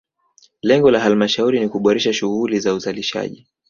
Lengo la halmashauri ni kuboresha shughuli za uzalishaji